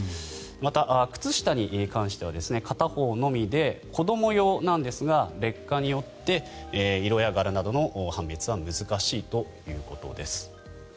また、靴下に関しては片方のみで子ども用なんですが劣化によって、色や柄などの判別は難しいということです。